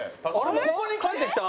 ここに帰ってきた？